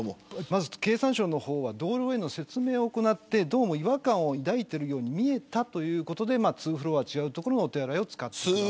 経産省の方は同僚への説明を行って違和感を抱いているように見えたということで２フロア違う所のお手洗いを使ってくださいと言った。